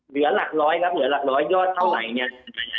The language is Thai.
เหลือหลักร้อยครับเหลือหลักร้อยยอดเท่าไหร่เนี่ย